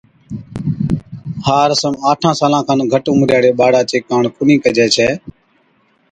ھا رسم آٺان سالان کن گھٽ عمرِي ھاڙي ٻاڙا چي ڪاڻ ڪونھِي ڪجَي ڇَي